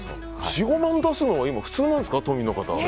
４５万出すのが普通なんですか都民の方は。